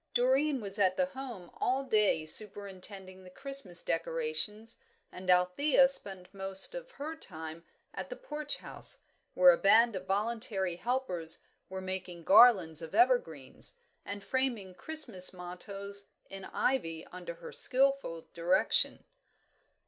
Doreen was at the Home all day superintending the Christmas decorations, and Althea spent most of her time at the Porch House, where a band of voluntary helpers were making garlands of evergreens, and framing Christmas mottoes in ivy under her skilful direction.